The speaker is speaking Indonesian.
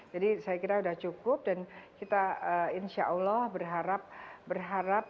jadi saya kira sudah cukup dan kita insya allah berharap berharap